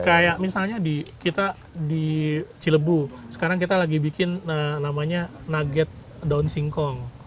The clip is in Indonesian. kayak misalnya kita di cilebu sekarang kita lagi bikin namanya nugget daun singkong